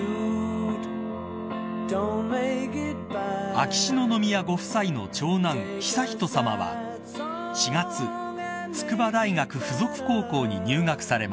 ［秋篠宮ご夫妻の長男悠仁さまは４月筑波大学附属高校に入学されました］